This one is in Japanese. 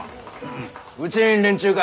うちん連中か？